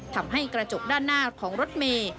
ทำให้กระจกด้านหน้าของรถเมย์